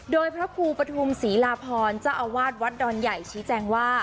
โดยพระครูปฐุมศรีลาพรเจ้าอาวาสวัดดอนใหญ่ชี้แจงว่า